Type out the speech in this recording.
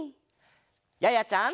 ややちゃん。